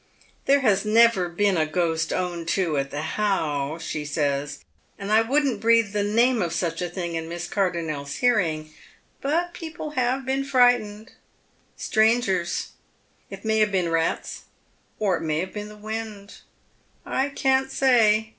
" There has never been a ghost o^vned to at the How," she Bays, " and I wouldn't breathe the name of such a thing in Miss Cardonnel's hearing, but people /iorebeen fiightened — strangers. It may have been rats, or it may have been the wind. I can't say.